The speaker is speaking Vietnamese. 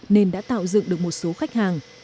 nên đã tạo dựng được một số khách hàng